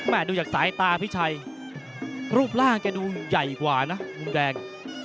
ดูจากสายตาพี่ชัยรูปร่างแกดูใหญ่กว่านะมุมแดง